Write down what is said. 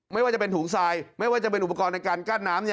ไม่ว่าจะเป็นถุงทรายไม่ว่าจะเป็นอุปกรณ์ในการกั้นน้ำ